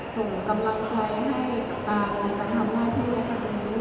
ส่งกำลังใจให้กับตาในการทำหน้าที่ด้วยค่ะ